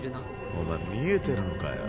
お前見えてるのかよ。